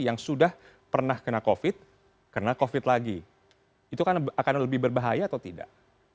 yang sudah pernah kena covid kena covid lagi itu akan lebih berbahaya atau tidak